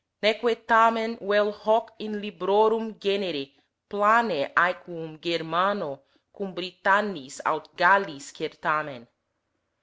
Neque tamen vel hoc in librorum genere plane equum Germano cum Britannis aut Gallis cer tamen.